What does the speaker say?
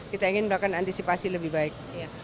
kita ingin melakukan antisipasi lebih baik